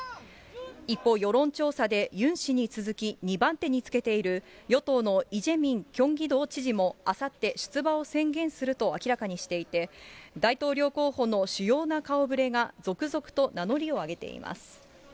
一方、世論調査でユン氏に続き２番手につけている与党のイ・ジェミョンキョンギ道知事もあさって出馬を宣言すると明らかにしていて、大統領候補の主要な顔ぶれが続々と名乗りを上げています。